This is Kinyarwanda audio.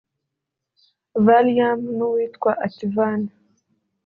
Valium n’uwitwa Ativan